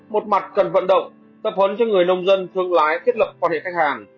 một mặt cần vận động tập hấn cho người nông dân thương lái thiết lập khoản hệ khách hàng